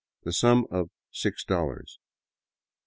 the sum of six dollars ($6).